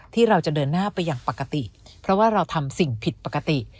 ที่เราจะเดินหน้าไปอย่างปกติเพราะว่าเราทำสิ่งผิดปกติ